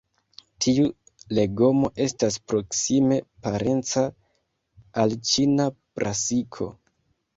Tiu legomo estas proksime parenca al ĉina brasiko.